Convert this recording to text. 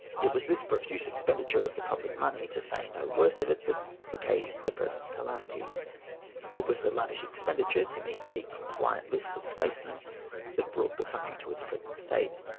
It was this profuse expenditure of the public money, to say no worse of it, that occasioned the present calamities. It was the lavish expenditure to meet a compliant list of placemen that brought the country to its present state.